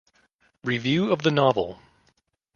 Review of the novel